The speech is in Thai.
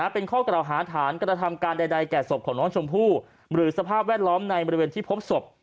เป็นข้อกล่าวหาฐานกระทำการใดแก่ศพของน้องชมพู่หรือสภาพแวดล้อมในบริเวณที่พบศพ